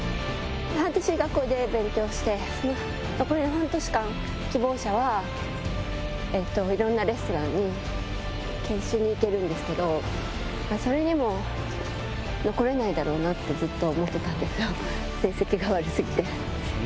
半年学校で勉強して、残りの半年間、希望者はいろんなレストランに、研修に行けるんですけど、それにも残れないだろうなって、ずっと思ってたんですよ、成績が悪すぎて。